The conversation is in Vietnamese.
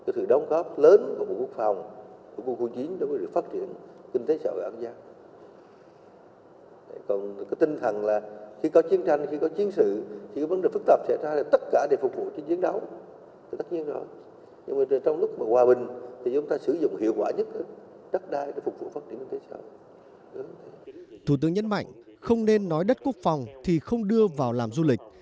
thủ tướng nhấn mạnh không nên nói đất quốc phòng thì không đưa vào làm du lịch